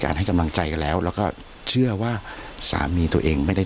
ให้กำลังใจกันแล้วแล้วก็เชื่อว่าสามีตัวเองไม่ได้